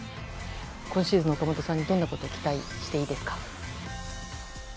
今シーズン、岡本さんにどんなことを期待していいですか？